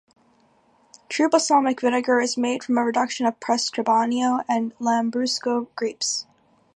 True balsamic vinegar is made from a reduction of pressed Trebbiano and Lambrusco grapes.